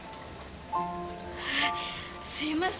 あっすいません